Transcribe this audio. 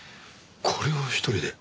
これを一人で？